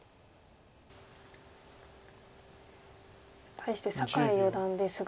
対して酒井四段ですが。